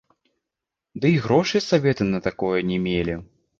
Дый грошай саветы на такое не мелі.